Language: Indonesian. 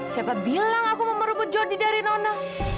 siapa bilang aku mau merebut jody dari nona